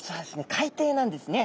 海底なんですね。